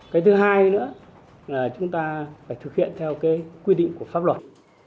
cái thứ hai nữa là chúng ta phải thực hiện theo quy định của pháp luật